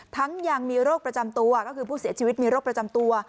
ยังมีโรคประจำตัวก็คือผู้เสียชีวิตมีโรคประจำตัว